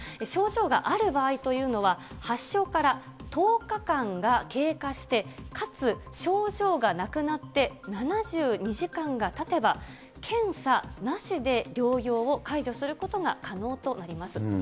症状がある場合というのは、発症から１０日間が経過して、かつ症状がなくなって７２時間がたてば、検査なしで療養を解除することが可能となります。